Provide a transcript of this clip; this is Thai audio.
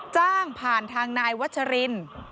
จ้างผ่านทางนายวัชริน